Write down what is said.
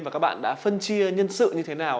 và các bạn đã phân chia nhân sự như thế nào